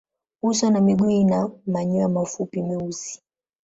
Uso na miguu ina manyoya mafupi meusi.